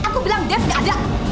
aku bilang dev nggak ada